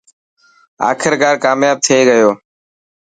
آخرڪار ڪامياب ٿي گيو.